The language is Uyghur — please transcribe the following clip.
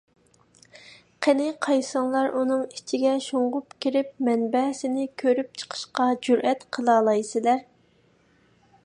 قېنى، قايسىڭلار ئۇنىڭ ئىچىگە شۇڭغۇپ كىرىپ مەنبەسىنى كۆرۈپ چىقىشقا جۈرئەت قىلالايسىلەر؟